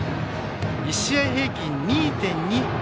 １試合平均２．２。